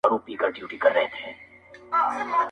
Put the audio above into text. هغه سندري د باروتو او لمبو ويلې!